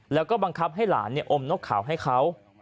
แล้วก็บังคับให้หลานอมนกขาวให้เขา